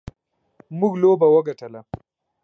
موږ لوبه وګټله.